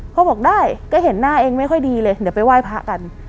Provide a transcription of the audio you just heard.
เขาบอกได้ก็เห็นหน้าเองไม่ค่อยดีเลยเดี๋ยวไปไหว้พระกัน